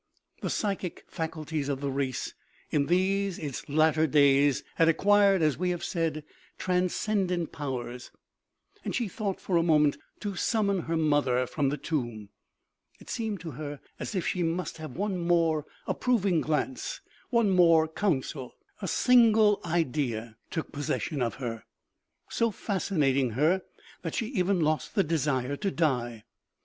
The psychic faculties of the race in these its latter days had ac quired, as we have said, transcendent powers, and she thought for a moment to summon her mother from the tomb. It seemed to her as if she must have one more approving glance, one more counsel. A single idea took possession of her, so fascinating her that she even lost the desire to die.